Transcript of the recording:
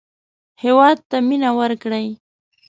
هېواد ته مېنه وکړئ